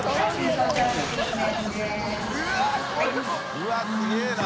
うわっすげぇな。